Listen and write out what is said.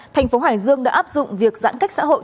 thành phố hải dương đã áp dụng việc giãn cách xã hội